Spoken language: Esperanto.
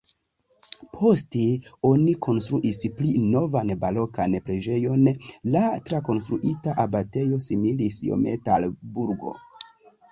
Poste oni konstruis pli novan barokan preĝejon, la trakonstruita abatejo similis iomete al burgo.